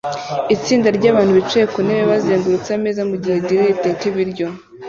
Itsinda ryabantu bicaye ku ntebe bazengurutse ameza mugihe grill iteka ibiryo